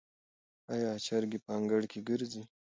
آیا چرګې په انګړ کې ګرځي؟